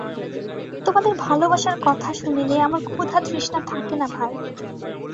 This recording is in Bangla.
তোমাদের ভালোবাসার কথা শুনিলে আমার ক্ষুধাতৃষ্ণা থাকে না ভাই।